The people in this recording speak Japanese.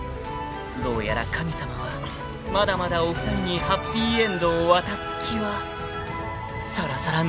［どうやら神様はまだまだお二人にハッピーエンドを渡す気はさらさらないようでございます］